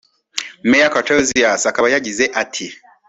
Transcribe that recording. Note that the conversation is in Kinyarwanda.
Mayor Kotzias akaba yagize ati